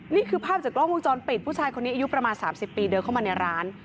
นี่คือภาพจากกล้องวงจรปิดผู้ชายคนนี้อายุประมาณ๓๐ปีเดินเข้ามาในร้าน